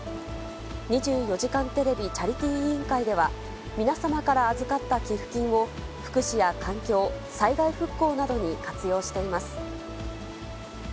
２４時間テレビチャリティー委員会では、皆様から預かった寄付金を福祉や環境、災害復興などに活用しています。